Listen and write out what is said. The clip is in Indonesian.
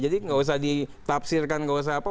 jadi nggak usah ditapsirkan nggak usah apa